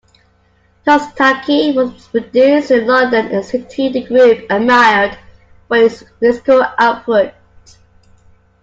"Tostaky" was produced in London, a city the group admired for its musical output.